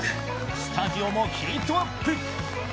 スタジオもヒートアップ！